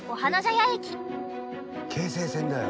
京成線だよ。